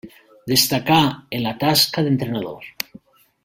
Destacà en la tasca d'entrenador.